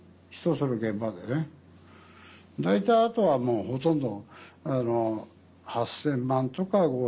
大体後はもうほとんど。